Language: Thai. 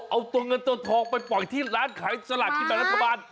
เอาตัวเงินตัวทองไปปล่อยที่ร้านขายสลากกินแบบรัฐบาล